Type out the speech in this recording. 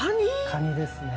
カニですね。